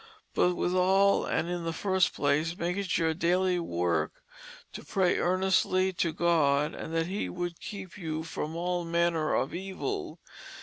But with all and in the first place make it your dayly work to pray earnestly to God that he would keep you from all manner of evil.